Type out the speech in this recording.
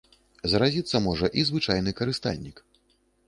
Заразіцца можа і звычайны карыстальнік.